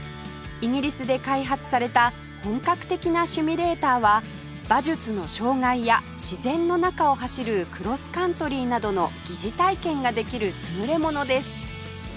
イギリスで開発された本格的なシミュレーターは馬術の障害や自然の中を走るクロスカントリーなどの疑似体験ができる優れものです